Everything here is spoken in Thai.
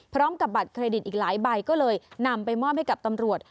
บัตรเครดิตอีกหลายใบก็เลยนำไปมอบให้กับตำรวจ